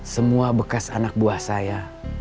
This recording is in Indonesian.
semua bekas anak buah saya